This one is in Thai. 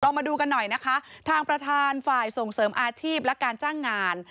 มาดูกันหน่อยนะคะทางประธานฝ่ายส่งเสริมอาชีพและการจ้างงาน